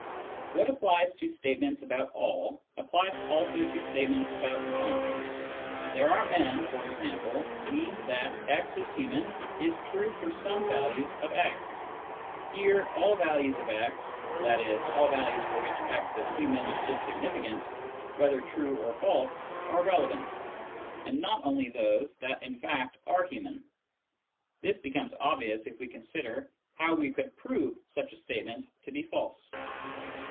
What applies to statements about all applies also to statements about some. " There are men," e.g., means that " x is human " is true for some values of x. Here all values of x {i.e. all values for which " x is human " is significant, whether true or false) are relevant, and not only those that in fact are human. (This becomes obvious if we consider how we could prove such a statement to be false.)